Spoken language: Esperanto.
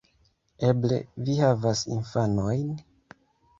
Eble vi havas infanojn?